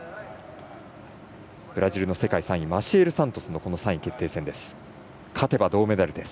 ブラジルの世界３位マシエル・サントスの３位決定戦です。